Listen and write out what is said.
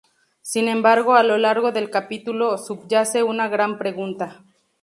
Sin embargo, a lo largo del capítulo subyace una gran pregunta.